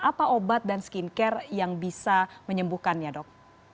apa obat dan skincare yang bisa menyembuhkannya dok